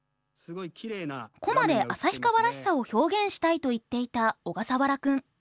コマで旭川らしさを表現したいと言っていた小笠原くん。